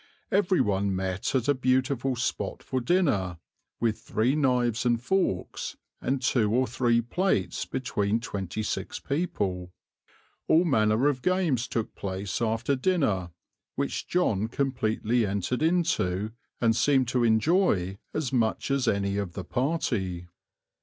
Every one met at a beautiful spot for dinner, with three knives and forks and two or three plates between twenty six people. All manner of games took place after dinner, which John completely entered into and seemed to enjoy as much as any of the party.